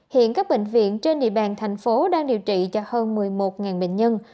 hiện các bệnh viện trên địa bàn tp hcm đang điều trị cho hơn một mươi một bệnh nhân